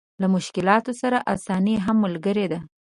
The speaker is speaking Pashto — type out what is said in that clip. له مشکلاتو سره اساني هم ملګرې ده.